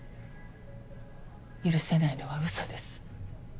許せないのはウソです。